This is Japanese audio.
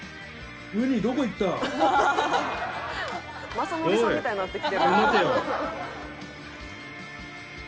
「雅紀さんみたいになってきてる」